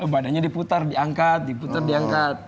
badannya diputar diangkat diputar diangkat